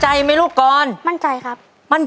ใช่นักร้องบ้านนอก